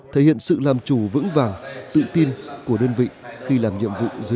thể hiện sự làm chủ vững vàng tự tin của đơn vị khi làm nhiệm vụ